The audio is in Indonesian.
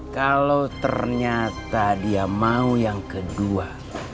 kalau ternyata dia mau yang kedua